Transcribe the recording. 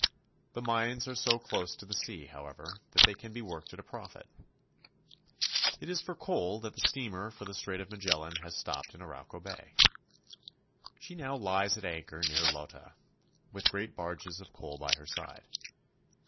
The mines are so close to the sea, however, that they can be worked at a profit. COAL xMINES. 145 Street Scene, Concepcion. It is for coal that the steamer for the Strait of Magellan has stopped in Arauco Bay. She now lies at anchor near Lota, with great barges of coal by her side.